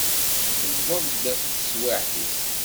Tewweḍ-d teswiɛt-is.